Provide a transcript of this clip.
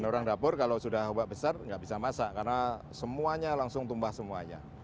dan orang dapur kalau sudah ombak besar nggak bisa masak karena semuanya langsung tumbah semuanya